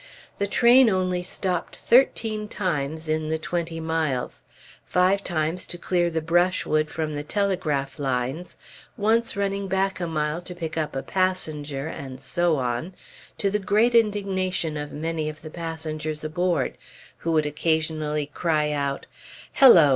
The train only stopped thirteen times in the twenty miles. Five times to clear the brushwood from the telegraph lines, once running back a mile to pick up a passenger, and so on, to the great indignation of many of the passengers aboard, who would occasionally cry out, "Hello!